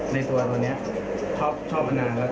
ในตัวตัวนี้ชอบมานานก็เลยกระเสียใจว่าอาวุธดีหรอ